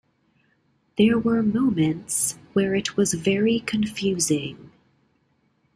There were moments where it was very confusing.